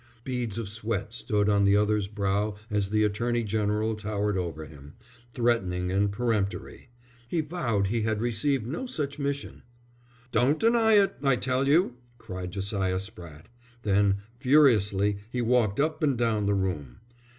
Beads of sweat stood on the other's brow as the Attorney General towered over him, threatening and peremptory. He vowed he had received no such mission. "Don't deny it, I tell you," cried Josiah Spratte. Then, furiously, he walked up and down the room.